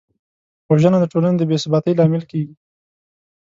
وژنه د ټولنې د بېثباتۍ لامل کېږي